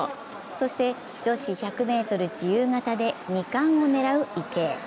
そして女子１００ｍ自由形で２冠を狙う池江。